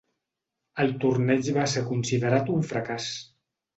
El torneig va ser considerat un fracàs.